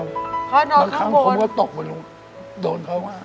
นอนข้างล่างบางครั้งผมก็ตกมาลงโดนเข้ามา